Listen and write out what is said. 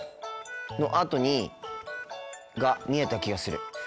のあとにが見えた気がする。